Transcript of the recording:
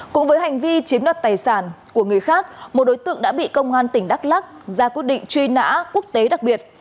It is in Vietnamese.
cũng với hành vi chiếm đoạt tài sản của người khác một đối tượng đã bị công an tp hcm ra quyết định truy nã quốc tế đặc biệt